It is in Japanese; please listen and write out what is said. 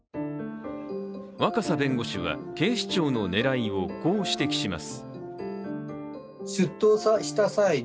若狭弁護士は、警視庁の狙いをこう指摘します。